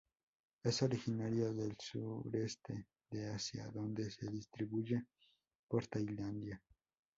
Es originario del Sureste de Asia donde se distribuye por Tailandia.